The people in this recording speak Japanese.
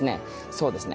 そうですね。